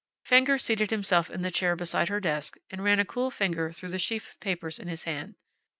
Fenger seated himself in the chair beside her desk and ran a cool finger through the sheaf of papers in his hand.